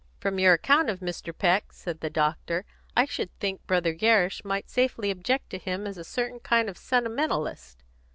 "From your account of Mr. Peck." said the doctor, "I should think Brother Gerrish might safely object to him as a certain kind of sentimentalist."